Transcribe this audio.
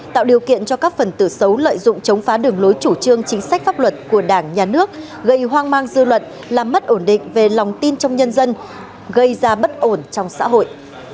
tạo điều kiện cho các phần tử xấu lợi dụng chống phá đường lối chủ trương chính sách pháp luật của đảng nhà nước gây hoang mang dư luận làm mất ổn định về lòng tin trong nhân dân gây ra bất ổn trong xã hội